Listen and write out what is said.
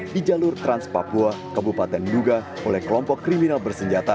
di jalur trans papua kabupaten nduga oleh kelompok kriminal bersenjata